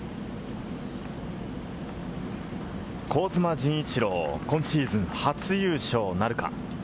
陣一朗、今シーズン初優勝なるか。